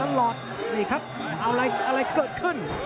อะไรเกิดขึ้น